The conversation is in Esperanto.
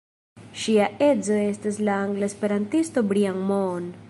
Ŝia edzo estas la angla esperantisto Brian Moon.